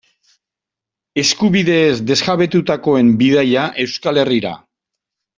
Eskubideez desjabetutakoen bidaia Euskal Herrira.